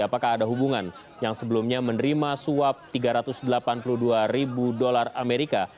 apakah ada hubungan yang sebelumnya menerima suap tiga ratus delapan puluh dua ribu dolar amerika